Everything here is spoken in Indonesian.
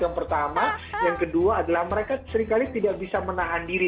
yang pertama yang kedua adalah mereka seringkali tidak bisa menahan diri